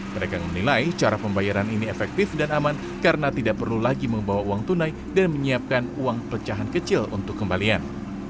pedagang menilai cara pembayaran ini efektif dan aman karena tidak perlu lagi membawa uang tunai dan menyiapkan uang pecahan kecil untuk kembalian